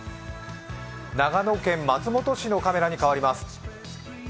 長野県松本市のカメラに変わります。